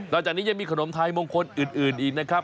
จากนี้ยังมีขนมไทยมงคลอื่นอีกนะครับ